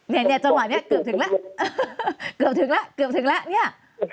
เนี่ยจังหวะนี้เกือบถึงแล้วเกือบถึงแล้วเกือบถึงแล้วเนี่ย